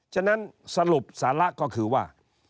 ฉะนั้นสรุปสาระก็คือว่า